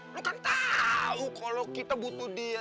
lu kan tau kalo kita butuh dia